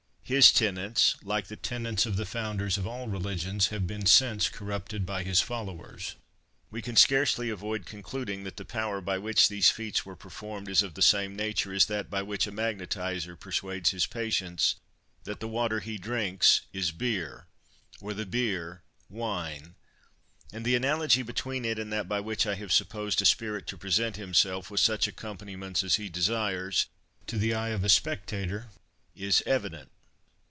His tenets, like the tenets of the founders of all religions, have been since corrupted by his followers. We can scarcely avoid concluding that the power by which these feats were performed is of the same nature as that by which a magnetiser persuades his patient that the water he drinks is beer, or the beer wine; and the analogy between it and that by which I have supposed a spirit to present himself, with such accompaniments as he desires, to the eye of a spectator, is evident.